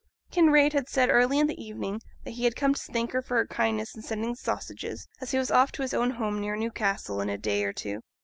Kinraid had said early in the evening that he had come to thank her for her kindness in sending the sausages, as he was off to his own home near Newcastle in a day or two.